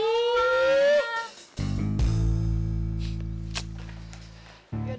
ih gitu dulu